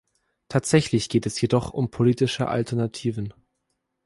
Tatsächlich geht es jedoch um politische Alternativen.